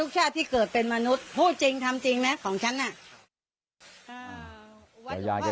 ชาติที่เกิดเป็นมนุษย์พูดจริงทำจริงนะของฉันน่ะ